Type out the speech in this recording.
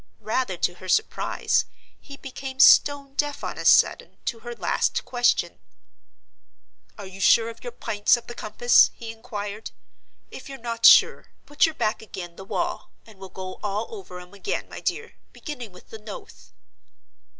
Rather to her surprise, he became stone deaf on a sudden, to her last question. "Are you sure of your Pints of the Compass?" he inquired. "If you're not sure, put your back ag'in the wall, and we'll go all over 'em again, my dear, beginning with the Noathe."